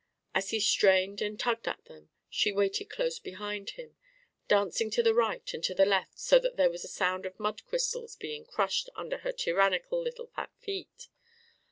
As he strained and tugged at them, she waited close behind him, dancing to the right and to the left so that there was a sound of mud crystals being crushed under her tyrannical little fat feet.